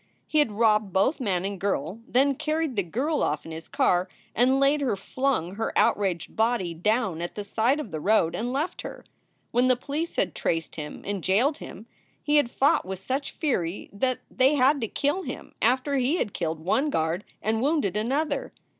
He had robbed both man and girl, then carried the girl off in his car and later flung her outraged body down at the side of the road and left her. When the police had traced him and jailed him he had fought with such fury that they had to kill him after he had killed one guard and wounded another.